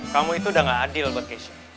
kamu itu udah gak adil buat kesha